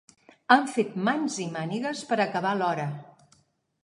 Han fet mans i mànigues per acabar a l'hora.